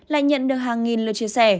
lại nhận được hàng nghìn lượt chia sẻ